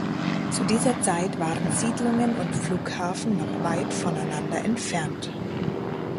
Zu dieser Zeit waren Siedlungen und Flughafen noch weit voneinander entfernt.